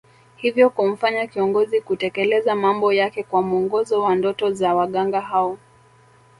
Hivyo kumfanya kiongozi kutekeleza mambo yake kwa mwongozo wa ndoto za waganga hao